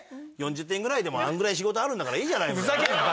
４０点ぐらいでもあのぐらい仕事あるんだからいいじゃないみたいな。